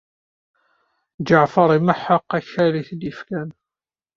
Ǧaɛfeṛ imeḥḥeq akal i t-id-yefkan.